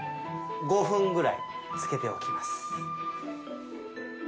５分ぐらい漬けておきます。